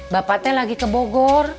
bapaknya lagi ke bogor